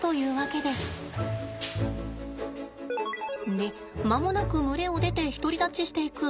で間もなく群れを出て独り立ちしていく。